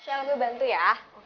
shell gue bantu ya